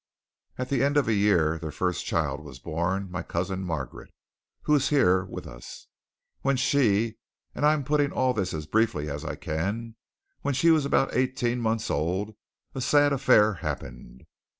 At the end of a year their first child was born my cousin Margaret, who is here with us. When she I am putting all this as briefly as I can when she was about eighteen months old a sad affair happened.